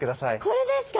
これですか？